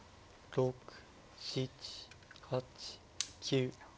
６７８９。